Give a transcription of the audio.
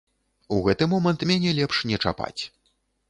У гэты момант мяне лепш не чапаць.